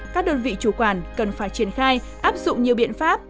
các đơn vị chủ quản cần phải triển khai áp dụng nhiều biện pháp